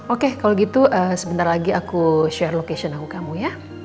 oke kalau gitu sebentar lagi aku share location aku kamu ya